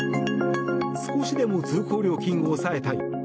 少しでも通行料金を抑えたい。